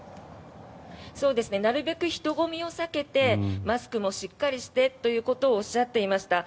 なるべく人混みを避けてマスクもしっかりしてということをおっしゃっていました。